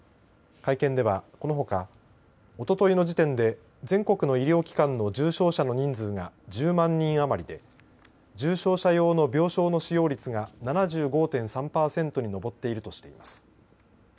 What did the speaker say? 会見では、このほかおとといの時点で全国の医療機関の重症者の人数が１０万人余りで重症者用の病床の使用率が７５．３％に上っているとしています。